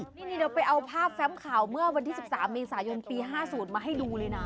นี่เราไปเอาภาพแฟมข่าวเมื่อวันที่๑๓เมษายนปี๕๐มาให้ดูเลยนะ